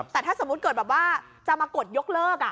แต่ถ้าสมมุติเกิดแบบว่าจะมากดยกเลิก